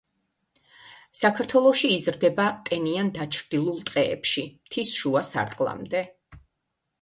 საქართველოში იზრდება ტენიან დაჩრდილულ ტყეებში, მთის შუა სარტყლამდე.